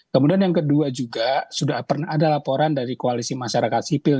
kemudian yang kedua juga sudah pernah ada laporan dari koalisi masyarakat sipil